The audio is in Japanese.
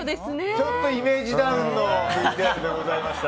ちょっとイメージダウンのＶＴＲでございました。